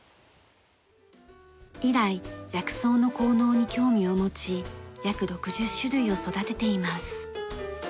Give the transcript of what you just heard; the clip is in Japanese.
以来薬草の効能に興味を持ち約６０種類を育てています。